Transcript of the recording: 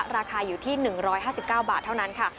ราคาอยู่ที่๑๕๙บาทเท่านั้นค่ะ